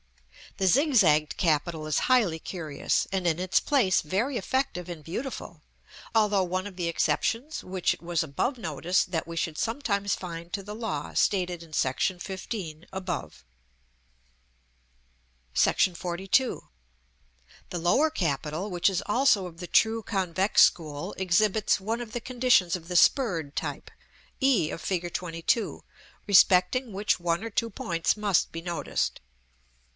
The zigzagged capital is highly curious, and in its place very effective and beautiful, although one of the exceptions which it was above noticed that we should sometimes find to the law stated in § XV. above. [Illustration: Fig. LXVI.] § XLII. The lower capital, which is also of the true convex school, exhibits one of the conditions of the spurred type, e of Fig. XXII., respecting which one or two points must be noticed.